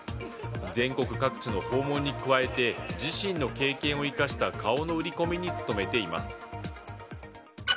全国各地の訪問に加えて自身の経験を生かした顔の売り込みに努めています。